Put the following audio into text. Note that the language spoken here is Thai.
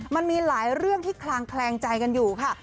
มันมีหลายเรื่องที่คลางแคลงใจกันอยู่ค่ะ